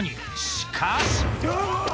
しかし。